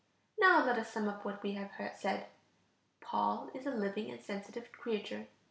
Now let us sum up what we have said: Paul is a living and sensitive creature.